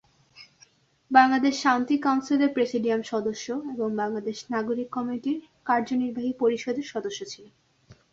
বাংলাদেশ শান্তি কাউন্সিলের প্রেসিডিয়াম সদস্য এবং বাংলাদেশ নাগরিক কমিটির কার্যনির্বাহী পরিষদের সদস্য ছিলেন।